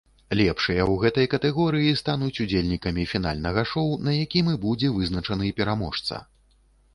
Лепшыя ў гэтай катэгорыі стануць удзельнікамі фінальнага шоу, на якім і будзе вызначаны пераможца.